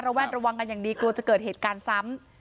แวดระวังกันอย่างดีกลัวจะเกิดเหตุการณ์ซ้ำ